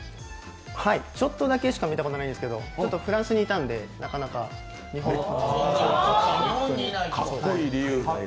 はい、ちょっとだけしか見たことないんですけど、フランスにいたんでなかなか日本のは。かっこいい理由。